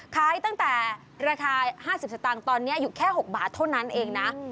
ขายตั้งแต่ราคา๕๐สตางค์ตอนนี้อยู่แค่๖บาทเท่านั้นเองนะ